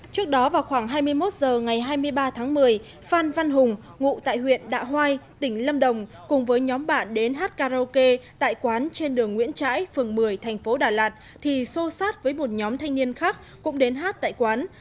trước đó vào khoảng hai mươi một h ngày hai mươi ba tháng một mươi phan văn hùng ngụ tại huyện đạ hoai tỉnh lâm đồng cùng với nhóm bạn đến hát karaoke tại quán trên đường nguyễn trãi phường một mươi thành phố đà lạt thì xô sát với một nhóm thanh niên khác cũng đến hát tại quán